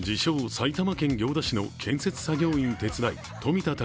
・埼玉県行田市の建設作業員手伝い富田匠